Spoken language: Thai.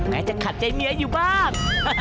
จะขัดใจเมียอยู่บ้าง